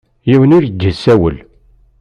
Yiwen ur iyi-d-issawel.